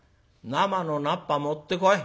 生の菜っぱ持ってこい。